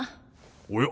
おや？